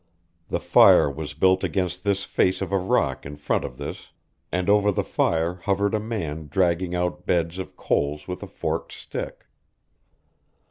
The fire was built against this face of a rock in front of this, and over the fire hovered a man dragging out beds of coals with a forked stick.